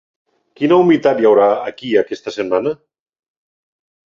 Quina humitat hi haurà aquí aquesta setmana?